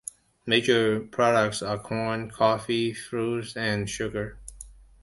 Major products are corn, coffee, fruits, and sugar.